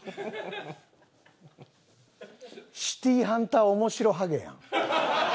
『シティーハンター』面白ハゲやん。